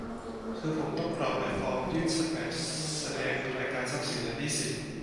คือผมต้องกรอกฟอร์มยื่นแบบแสดงรายการทรัพย์สินและหนี้สิน